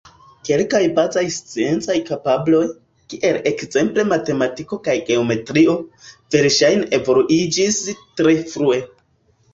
Kelkaj bazaj sciencaj kapabloj, kiel ekzemple matematiko kaj geometrio, verŝajne evoluiĝis tre frue.